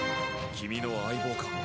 君の相棒か？